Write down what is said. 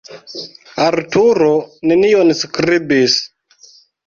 Arturo nenion skribis.